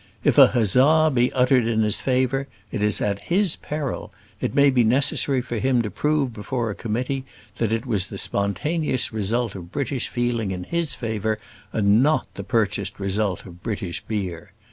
If a huzza be uttered in his favour, it is at his peril; it may be necessary for him to prove before a committee that it was the spontaneous result of British feeling in his favour, and not the purchased result of British beer.